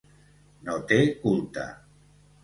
No té culte.